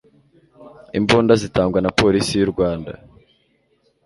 imbunda zitangwa na polisi y u rwanda